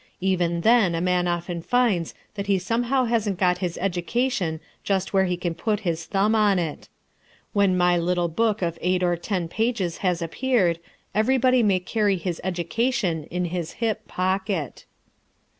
Even then a man often finds that he somehow hasn't got his education just where he can put his thumb on it. When my little book of eight or ten pages has appeared, everybody may carry his education in his hip pocket.